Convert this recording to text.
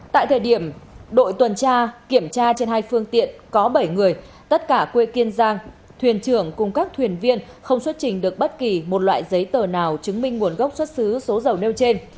tại thời điểm đội tuần tra kiểm tra trên hai phương tiện có bảy người tất cả quê kiên giang thuyền trưởng cùng các thuyền viên không xuất trình được bất kỳ một loại giấy tờ nào chứng minh nguồn gốc xuất xứ số dầu nêu trên